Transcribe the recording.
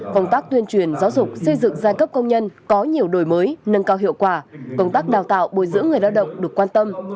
công tác tuyên truyền giáo dục xây dựng giai cấp công nhân có nhiều đổi mới nâng cao hiệu quả công tác đào tạo bồi dưỡng người lao động được quan tâm